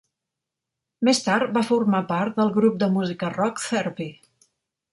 Més tard, va formar part del grup de música rock Therapy?